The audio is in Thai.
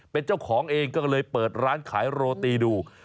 เป็นเจ้าของเองก็เลยเปิดร้านขายโรตีดู